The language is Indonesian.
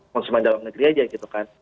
konsumen dalam negeri aja gitu kan